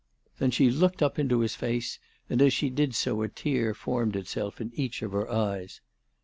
Then she looked up into his face, and as she did so a tear formed itself in each of her eyes.